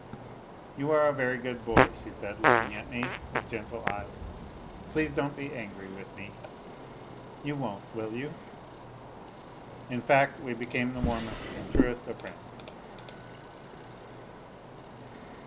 " You are a very good boy," she said, looking at me with gentle eyes, " please don't be angry with me. You won't, will you ?" In fact, we became the warmest and truest of friends.